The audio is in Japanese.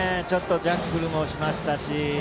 ジャッグルもしましたし。